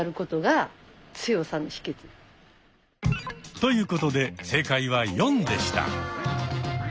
ということで正解は「４」でした。